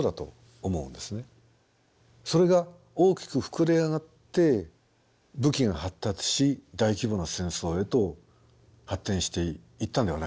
それが大きく膨れ上がって武器が発達し大規模な戦争へと発展していったんではないでしょうか。